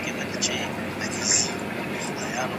ایا ستا لارښود استاد تجربه لري؟